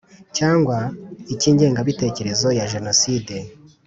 cyangwa icy’ingengabitekerezo ya jenoside